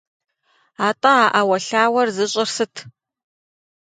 АтӀэ а Ӏэуэлъауэр зыщӀыр сыт?